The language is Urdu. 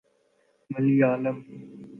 ملیالم